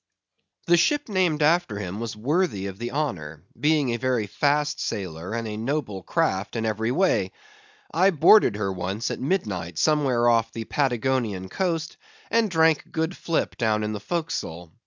The ship named after him was worthy of the honor, being a very fast sailer and a noble craft every way. I boarded her once at midnight somewhere off the Patagonian coast, and drank good flip down in the forecastle.